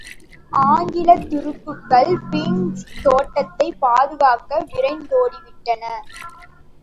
ஆங்கிலத் துருப்புகள் பீனிக்ஸ் தோட்டத்தைப் பாதுகாக்க விரைந்தோடிவிட்டன.